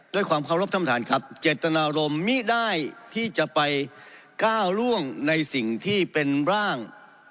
ด้วยความเคารพท่านประธานครับเจตนารมณ์มิได้ที่จะไปก้าวล่วงในสิ่งที่เป็นร่าง